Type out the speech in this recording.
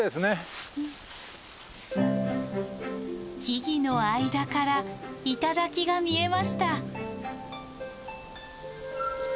木々の間から頂が見えました。